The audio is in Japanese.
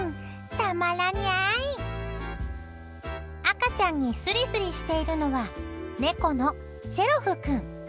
赤ちゃんにすりすりしているのは猫のシェロフ君。